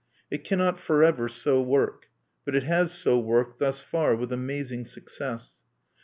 It cannot forever so work; but it has so worked thus far with amazing success.